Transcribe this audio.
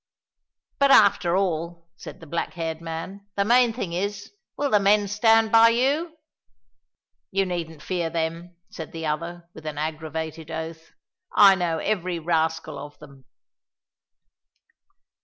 "But, after all," said the black haired man, "the main thing is, will the men stand by you?" "You needn't fear them," said the other with an aggravated oath, "I know every rascal of them."